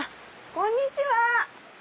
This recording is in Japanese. こんにちは。